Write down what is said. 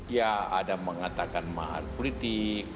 ya ada mengatakan mahar politik